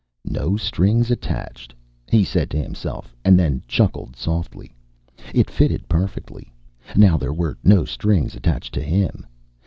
"No strings attached," he said to himself, and then chuckled softly. It fitted perfectly; now there were no strings attached to him.